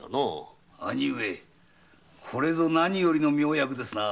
兄上これぞ何よりの妙薬ですな。